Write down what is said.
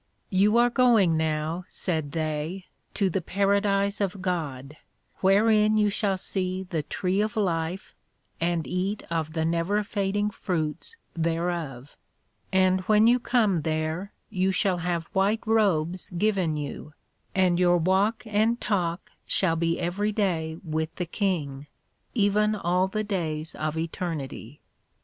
You are going now, said they, to the Paradise of God, wherein you shall see the Tree of Life, and eat of the never fading fruits thereof; and when you come there, you shall have white Robes given you, and your walk and talk shall be every day with the King, even all the days of Eternity.